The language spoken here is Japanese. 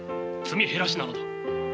積み減らしなのだ。